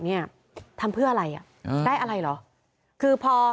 เนี้ยทำเพื่ออะไรอ่ะอ่าได้อะไรเหรอคือพอ